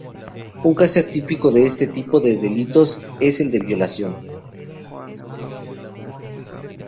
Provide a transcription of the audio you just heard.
Un caso típico de este tipo de delitos es el de violación.